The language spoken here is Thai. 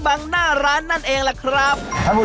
มาสร้างดิการ